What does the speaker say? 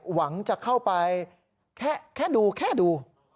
หวังจะเข้าไปแค่ดูแค่ดู